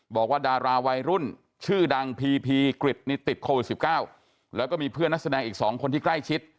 บอกว่าดาราวัยรุ่นชื่อดังพีพีกริจนี่ติดโควิด๑๙แล้วก็มีเพื่อนนักแสดงอีกสองคนที่ใกล้ชิด